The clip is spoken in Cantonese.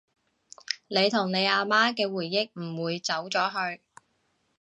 你同你阿媽嘅回憶唔會走咗去